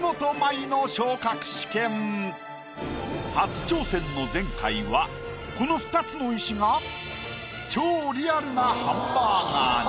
初挑戦の前回はこの２つの石が超リアルなハンバーガーに。